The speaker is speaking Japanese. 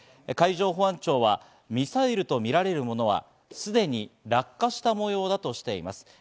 海上保安庁は、ミサイルとみられるものはすでに落下したもようだとしています。